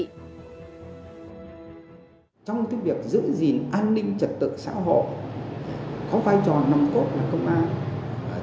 trong việc giữ gìn an ninh trật tự xã hội có vai trò nằm cốt vào công an